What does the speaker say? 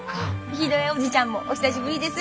ヒデオ叔父ちゃんもお久しぶりです。